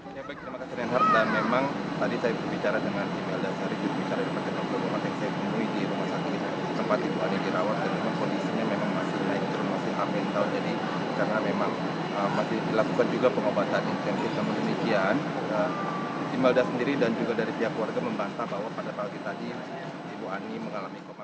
dilakukan juga pengobatan intensif namun demikian timbalda sendiri dan juga dari pihak keluarga membantah bahwa pada pagi tadi ibu ani mengalami koma